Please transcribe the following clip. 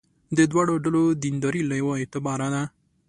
د دواړو ډلو دینداري له یوه اعتباره ده.